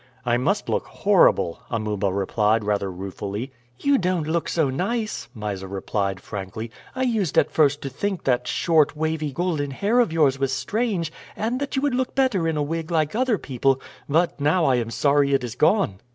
"I must look horrible," Amuba replied rather ruefully. "You don't look so nice," Mysa replied frankly. "I used at first to think that short, wavy golden hair of yours was strange, and that you would look better in a wig like other people; but now I am sorry it is gone."